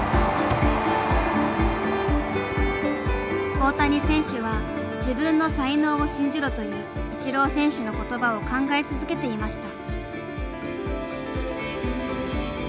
大谷選手は自分の才能を信じろというイチロー選手の言葉を考え続けていました。